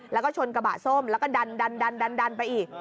แล้วก็ชนกระบะส้มแล้วก็ดันไปอีก